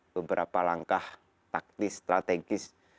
beberapa langkah taktis strategis